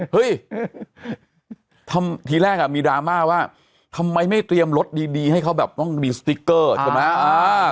เฮ้ยทีแรกมีดราม่าว่าทำไมไม่เตรียมรถดีให้เขาแบบต้องมีสติ๊กเกอร์ใช่ไหม